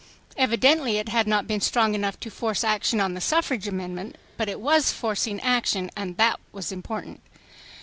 Evidently it had not been strong enough to force action on the suffrage amendment, but it was forcing action, and that was important.